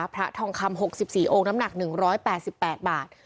พระทองคำ๖๔องค์น้ำหนัก๑๘๘บาท